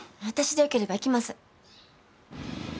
私でよければ行きます。